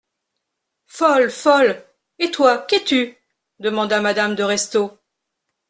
Folle ! folle ! Et toi, qu'es-tu ? demanda madame de Restaud.